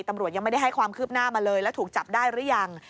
ตำรวจยังไม่ได้ให้ความคืบหน้ามาเลยแล้วถูกจับได้หรือยัง